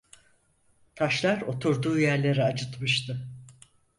Taşlar oturduğu yerleri acıtmıştı.